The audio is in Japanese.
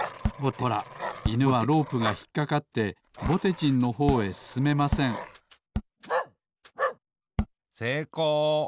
ほらいぬはロープがひっかかってぼてじんのほうへすすめませんせいこう。